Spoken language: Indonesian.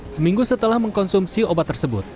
seminggu setelah mengkonsumsi obat tersebut